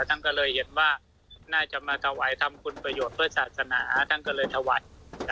ท่านก็เลยเห็นว่าน่าจะมาถวายทำคุณประโยชน์เพื่อศาสนาท่านก็เลยถวาย